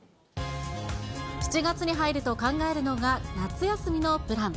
７月に入ると考えるのが、夏休みのプラン。